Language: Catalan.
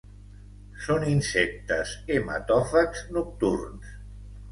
Són insectes hematòfags nocturns.